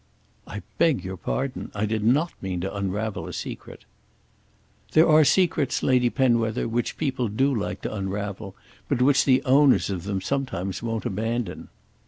"I beg your pardon. I did not mean to unravel a secret." "There are secrets, Lady Penwether, which people do like to unravel, but which the owners of them sometimes won't abandon."